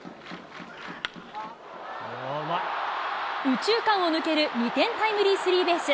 右中間を抜ける２点タイムリースリーベース。